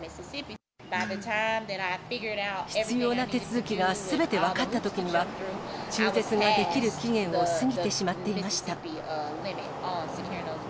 必要な手続きがすべて分かったときには、中絶ができる期限を過ぎてしまっていました。